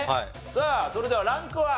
さあそれではランクは？